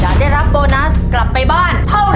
ได้รับโบนัสกลับไปบ้านเท่าไห